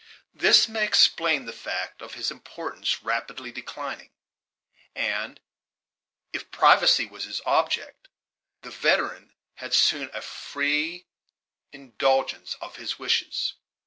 This may explain the fact of his importance rapidly declining; and, if privacy was his object, the veteran had soon a free indulgence of his wishes.